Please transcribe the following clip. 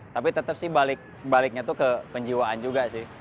tapi tetap sih baliknya tuh ke penjiwaan juga sih